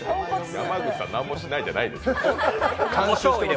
山口さん何もしてないじゃないですよ。